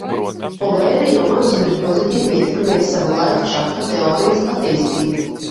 Polērio manuskripts pozitīvi ietekmējis sava laika šaha teorijas attīstību.